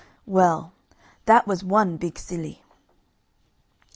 Well, that was one big silly.